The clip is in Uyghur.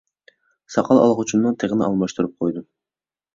ساقال ئالغۇچۇمنىڭ تىغىنى ئالماشتۇرۇپ قويدۇم.